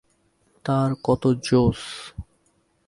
তার কত জোশ।